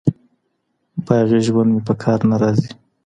باغي ژوند مي په کار نه راځي